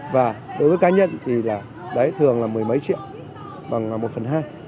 và đối với cá nhân thì là đấy thường là mười mấy triệu bằng một phần hai